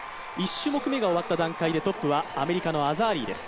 １種目めが終わった段階でトップはアメリカのアザーリーです。